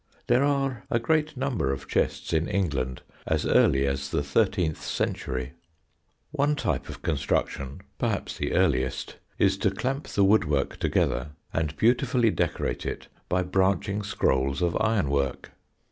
There are a great number of chests in England as early as the thirteenth century. One type of construction, perhaps the earliest, is to clamp the wood work together and beautifully decorate it by branching scrolls of iron work.